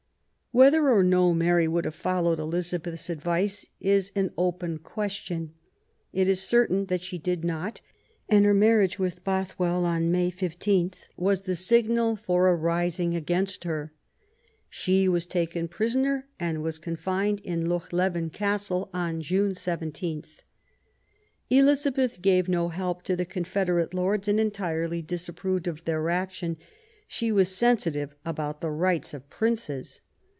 Whether or no Mary would have followed Eliza beth's advice is an open question. It is certain that she did not; and her marriage with Bothwell, on May 15, was the signal for a rising against her. 7 g$ QUEEN ELIZABETH. She was taken prisoner and was confined in LfOch leven Castle on June 17. Elizabeth gave no help to the confederate Lords and entirely disapproved of their action. She was sensitive about the rights of Princes.